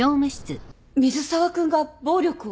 水沢君が暴力を？